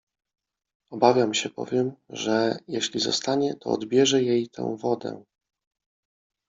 Obawiał się bowiem, że, jeśli zostanie, to odbierze jej tę wodę.